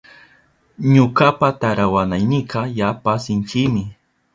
Ñukapa tarawanaynika yapa sinchimi.